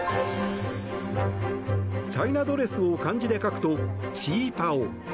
チャイナドレスを漢字で書くと「旗袍」。